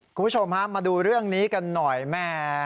คุณผู้ชมฮะมาดูเรื่องนี้กันหน่อยแม่